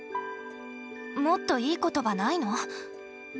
もっといい言葉ないの？